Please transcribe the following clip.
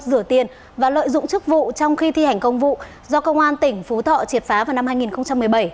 rửa tiền và lợi dụng chức vụ trong khi thi hành công vụ do công an tỉnh phú thọ triệt phá vào năm hai nghìn một mươi bảy